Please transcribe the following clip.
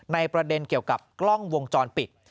ประเด็นเกี่ยวกับกล้องวงจรปิด